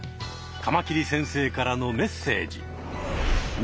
カマキリ先生からのメッセージ！